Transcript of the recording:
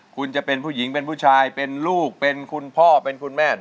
คุณจะเป็นผู้หญิงเป็นผู้ชายเป็นลูกเป็นคุณพ่อเป็นคุณแม่